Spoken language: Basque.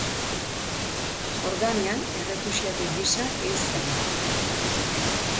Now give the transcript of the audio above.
Jordanian errefuxiatu gisa hil zen.